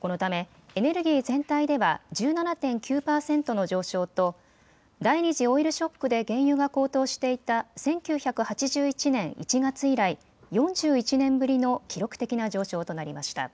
このためエネルギー全体では１７．９％の上昇と第２次オイルショックで原油が高騰していた１９８１年１月以来、４１年ぶりの記録的な上昇となりました。